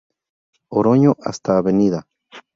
Oroño hasta Av.